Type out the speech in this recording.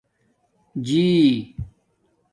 جݶ